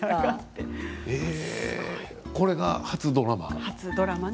これが初ドラマ？